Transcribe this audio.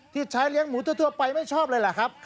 ที่ใช้เลี้ยงหมูทั่วไปไม่ชอบเลยแหละครับ